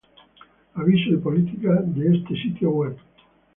Avisos y políticas de este sitio web